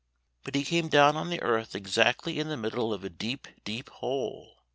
But he came down on the earth exactly in the middle of a deep, deep hole.